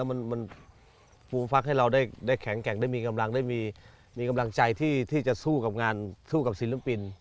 มันปูฟักให้เราได้แข็งแกร่งได้มีกำลังได้มีกำลังใจที่จะสู้กับงานสู้กับศิลปิน